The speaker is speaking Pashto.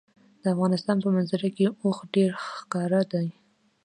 د افغانستان په منظره کې اوښ ډېر ښکاره دی.